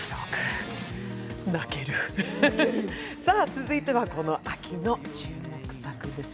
続いては、この秋の注目作です。